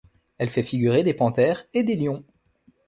Elle fait figurer des panthères et des lions.